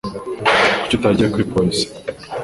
Kuki utagiye kuri polisi?